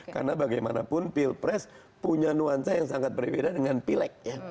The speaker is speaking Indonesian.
karena bagaimanapun pilpres punya nuansa yang sangat berbeda dengan pileg